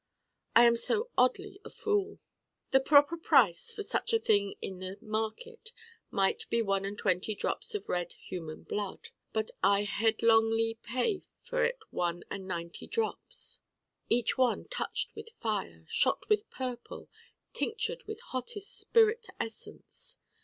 I am so oddly a fool. The proper price for such or such a thing in the Market might be one and twenty drops of red human blood. But I headlongly pay for it one and ninety drops: each one touched with fire, shot with purple, tinctured with hottest spirit essence.